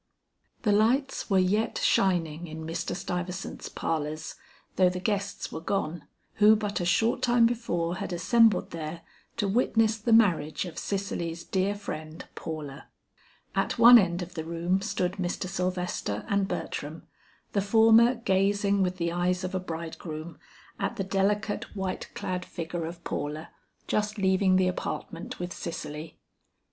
The lights were yet shining in Mr. Stuyvesant's parlors, though the guests were gone, who but a short time before had assembled there to witness the marriage of Cicely's dear friend, Paula. At one end of the room stood Mr. Sylvester and Bertram, the former gazing with the eyes of a bridegroom, at the delicate white clad figure of Paula, just leaving the apartment with Cicely.